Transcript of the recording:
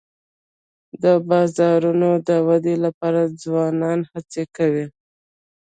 د بازارونو د ودي لپاره ځوانان هڅي کوي.